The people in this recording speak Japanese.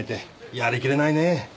やりきれないねぇ。